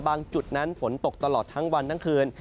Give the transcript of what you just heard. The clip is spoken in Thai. จุดนั้นฝนตกตลอดทั้งวันทั้งคืน